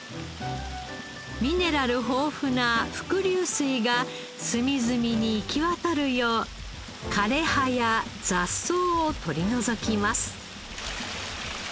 ミネラル豊富な伏流水が隅々に行き渡るよう枯れ葉や雑草を取り除きます。